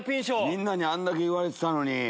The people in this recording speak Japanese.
みんなにあんだけ言われてたのに。